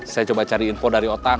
saya coba cari info dari otak